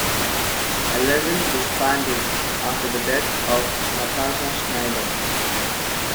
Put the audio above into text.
Eleven disbanded after the death of Natasha Schneider.